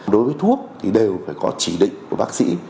đối với thuốc thì đều phải có chỉ định của bác sĩ